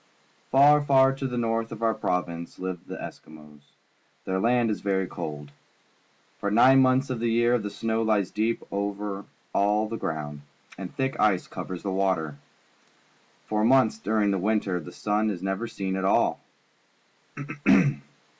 ^Far, far to the north of our province hve the Eskimos. Their land is very cold. P'or nine months of the year the snow lies deep over all the ground, and thick ice covers the water. For months during the winter the sun is never seen at all.